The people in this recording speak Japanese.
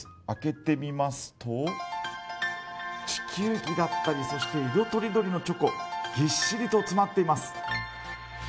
開けてみますと地球儀だったり色とりどりのチョコぎっしりと詰まっています。